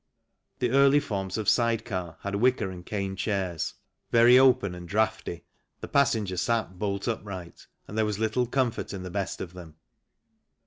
The early forms of side car had wicker and cane chairs, very open and draughty, the passenger sat bolt upright, and there was little comfort in the best of them.